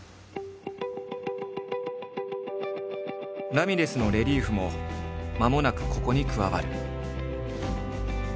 ラミレスのレリーフもまもなくここに加わる。